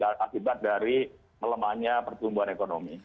akibat dari melemahnya pertumbuhan ekonomi